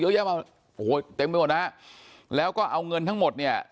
เยอะแยะมาโอ้โหเต็มไปหมดนะฮะแล้วก็เอาเงินทั้งหมดเนี่ย